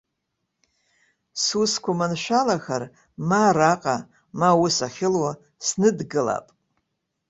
Сусқәа маншәалахар, ма араҟа, ма аус ахьылуа сныдгылап.